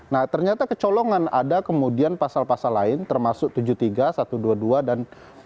nah ternyata kecolongan ada kemudian pasal pasal lain termasuk tujuh puluh tiga satu ratus dua puluh dua dan dua